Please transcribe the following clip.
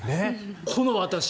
この私が。